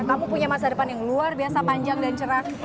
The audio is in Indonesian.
kamu punya masa depan yang luar biasa panjang dan cerah